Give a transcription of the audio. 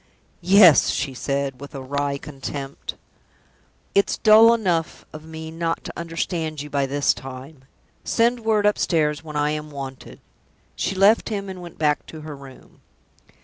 "Yes," she said, with a weary contempt. "It's dull enough of me not to understand you by this time. Send word upstairs when I am wanted." She left him, and went back to her room.